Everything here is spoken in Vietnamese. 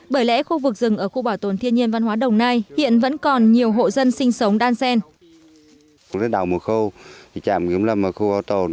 bởi lẽ khu vực rừng ở khu bảo tồn thiên nhiên văn hóa đồng nai hiện vẫn còn nhiều hộ dân sinh sống đan xen